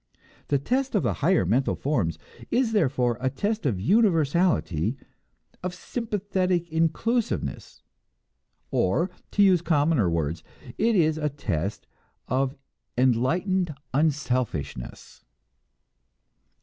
The test of the higher mental forms is therefore a test of universality, of sympathetic inclusiveness; or, to use commoner words, it is a test of enlightened unselfishness.